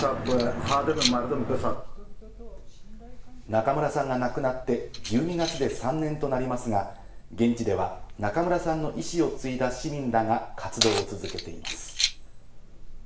中村さんが亡くなって１２月で３年となりますが、現地では中村さんの意志を継いだ市民らが活動を続けています。